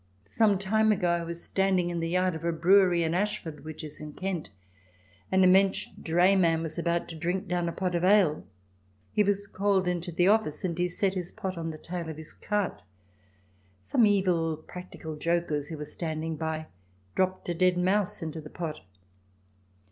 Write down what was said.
Some time ago I was standing in the yard of a brewery in Ashford, which is in Kent. An immense drayman was about to drink down a pot of ale. He was called into the office and he set his pot on the tail of his cart. Some evil practical jokers who were standing by dropped a dead mouse into the pot.